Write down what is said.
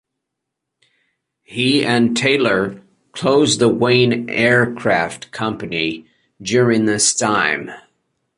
He and Taylor closed the Wayne Aircraft Company during this time.